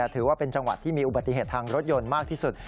ถือว่าเป็นจังหวัดที่มีอุบัติเหตุทางรถยนต์มากที่สุด